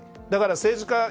だから政治家